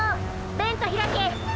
ベントひらけ！